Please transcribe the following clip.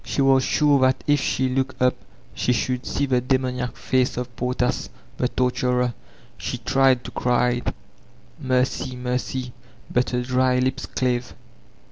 She was sure that if she looked up she should see the demoniac face of Portas, the torturer. She tried to cry, "Mercy, mercy/* but her dry lips cbve.